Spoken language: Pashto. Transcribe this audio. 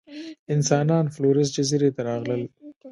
انسانان فلورېس جزیرې ته راغلل.